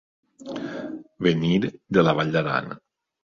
Venir de la Vall d'Aran.